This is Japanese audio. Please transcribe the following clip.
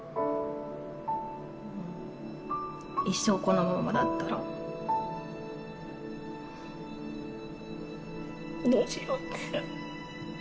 一生このままだったら、どうしようって。